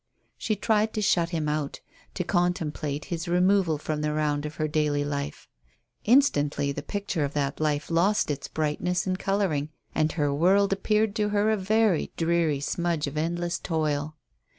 She tried to shut him out; to contemplate his removal from the round of her daily life. Instantly the picture of that life lost its brightness and colouring, and her world appeared to her a very dreary smudge of endless toil.